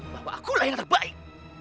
bahwa akulah yang terbaik